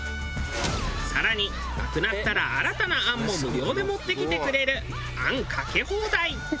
更になくなったら新たな餡も無料で持ってきてくれる餡かけ放題。